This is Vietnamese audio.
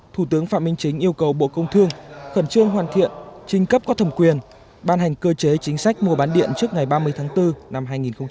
thủ tướng phạm minh chính yêu cầu bộ công thương khẩn trương hoàn thiện trinh cấp có thẩm quyền ban hành cơ chế chính sách mua bán điện trước ngày ba mươi tháng bốn năm hai nghìn hai mươi